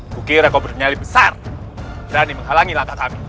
kukira kau bernyali besar berani menghalangi langkah kami